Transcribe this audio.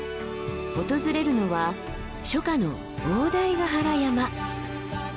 訪れるのは初夏の大台ヶ原山。